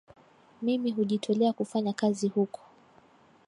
Mimi hujitolea kufanya kazi huko